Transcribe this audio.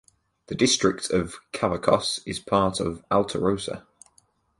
The district of Cavacos is part of Alterosa.